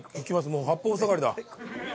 もう八方塞がり。